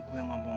kau sama si rom